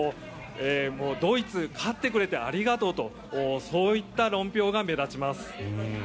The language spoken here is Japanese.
ドイツ勝ってくれてありがとうとそういった論評が目立ちます。